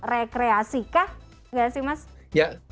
rekreasi kah gak sih mas